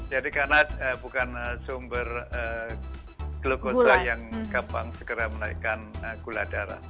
jadi karena bukan sumber glukosa yang gampang segera menaikkan gula darah